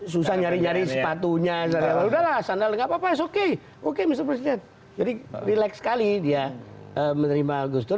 susah nyari nyari sepatunya udah lah sandalnya gak apa apa it's okay oke mr presiden jadi relax sekali dia menerima gus dur